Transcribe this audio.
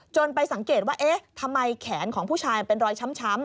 ไปสังเกตว่าเอ๊ะทำไมแขนของผู้ชายเป็นรอยช้ำ